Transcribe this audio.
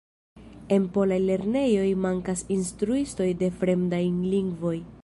En polaj lernejoj mankas instruistoj de fremdaj lingvoj.